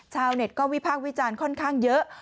ชาวเน็ตก็วิพากษ์วิจารณ์ค่อนข้างเยอะ